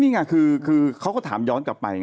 นี่ไงคือเขาก็ถามย้อนกลับไปไง